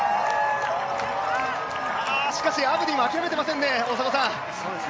しかし、アブディも諦めていませんね。